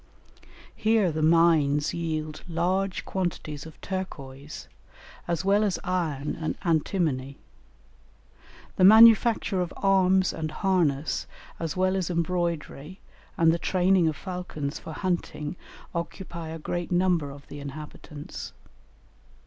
Here the mines yield large quantities of turquoise, as well as iron and antimony; the manufacture of arms and harness as well as embroidery and the training of falcons for hunting occupy a great number of the inhabitants.